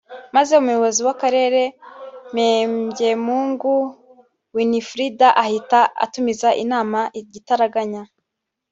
Maze Umuyobozi wa Karere Mpembyemungu Winifrida ahita atumiza inama igitaraganya